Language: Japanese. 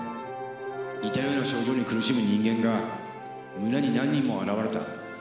似たような症状に苦しむ人間が村に何人も現れた。